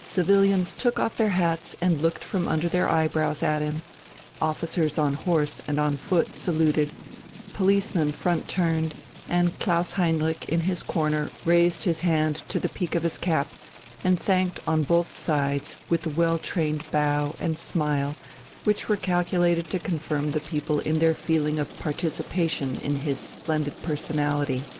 Civilians took off their hats and looked from under their eyebrows at him, officers on horse and on foot saluted, policemen front turned, and Klaus Heinrich in his corner raised his hand to the peak of his cap and thanked on both sides with the well trained bow and smile which were calculated to confirm the people in their feeling of participation in his splendid personality....